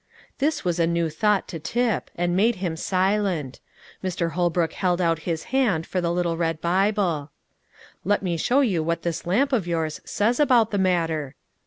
This was a new thought to Tip, and made him silent. Mr. Holbrook held out his hand for the little red Bible. "Let me show you what this lamp of yours says about the matter."